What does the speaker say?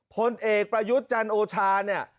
พลเอกประยุทธ์จันโอชาเนี่ย